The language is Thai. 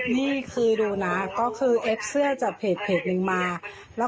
นี่คือดูนะก็คือเอฟเสื้อจากเพจนึงมา